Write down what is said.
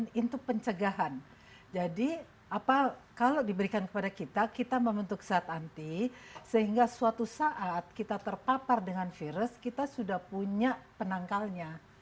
nah itu pencegahan jadi kalau diberikan kepada kita kita membentuk zat anti sehingga suatu saat kita terpapar dengan virus kita sudah punya penangkalnya